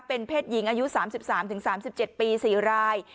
เป็นเพศหญิงอายุ๓๓๗ปี๔ราย